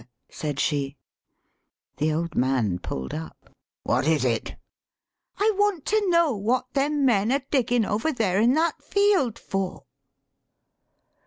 said she. The old man pulled up. "What is it?" 154 THE SHORT STORY " I want to know what them men are diggin' over there in that field for."